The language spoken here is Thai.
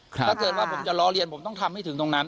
ถ้าเกิดว่าผมจะล้อเรียนผมต้องทำให้ถึงตรงนั้น